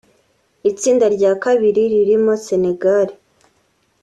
Itsinda rya kabiri ririmo Senegal